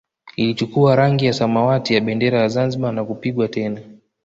Ilichukua rangi ya samawati ya bendera ya Zanzibar na kupigwa tena